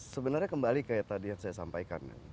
sebenarnya kembali kayak tadi yang saya sampaikan